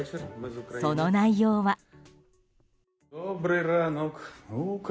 その内容は。